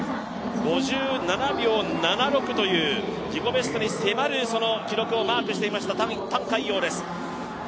５７秒７６という自己ベストに迫る記録をマークしてきました覃海洋です。